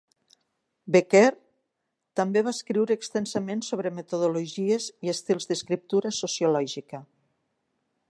Becker també va escriure extensament sobre metodologies i estils d'escriptura sociològica.